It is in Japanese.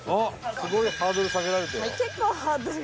すごいハードル下げられてるよ。